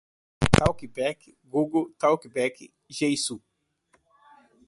talkback, google talkback, Jieshuo